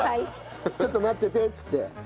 ちょっと待っててっつって。